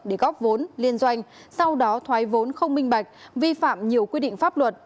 để góp vốn liên doanh sau đó thoái vốn không minh bạch vi phạm nhiều quy định pháp luật